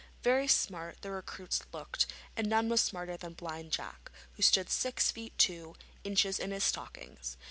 Very smart the recruits looked, and none was smarter than Blind Jack, who stood six feet two inches in his stockings.